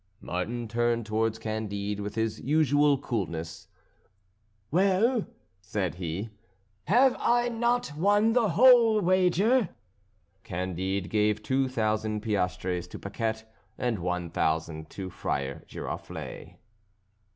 Martin turned towards Candide with his usual coolness. "Well," said he, "have I not won the whole wager?" Candide gave two thousand piastres to Paquette, and one thousand to Friar Giroflée.